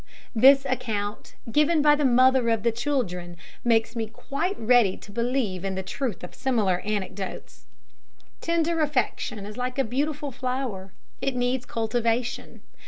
This account, given by the mother of the children, makes me quite ready to believe in the truth of similar anecdotes. Tender affection is like a beautiful flower: it needs cultivation.